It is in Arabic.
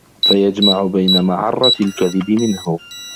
فَيَجْمَعُ بَيْنَ مَعَرَّةِ الْكَذِبِ مِنْهُ